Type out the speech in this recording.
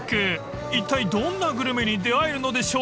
［いったいどんなグルメに出合えるのでしょうか］